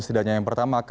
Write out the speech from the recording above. setidaknya yang pertama